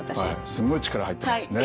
すごい力入ってますね。